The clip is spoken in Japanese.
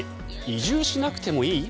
移住しなくてもいい？